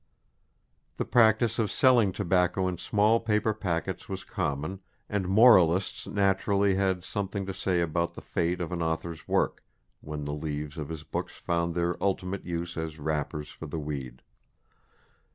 The practice of selling tobacco in small paper packets was common, and moralists naturally had something to say about the fate of an author's work, when the leaves of his books found their ultimate use as wrappers for the weed.